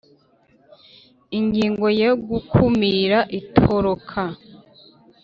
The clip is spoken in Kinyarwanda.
Ingingo ya Gukumira itoroka